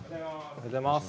おはようございます。